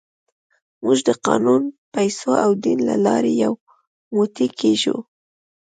موږ د قانون، پیسو او دین له لارې یو موټی کېږو.